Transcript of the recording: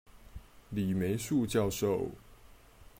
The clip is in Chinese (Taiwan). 李梅樹教授